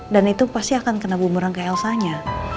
dan itu pasti akan kena bumerang ke elsanya